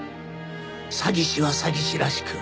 詐欺師は詐欺師らしく。